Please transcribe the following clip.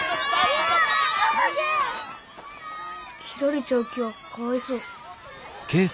切られちゃう木はかわいそう。